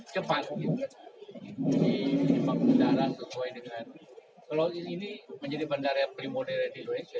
kalaus ini menjadi bandara yang primodera di indonesia juga